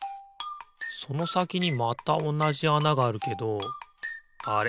そのさきにまたおなじあながあるけどあれ？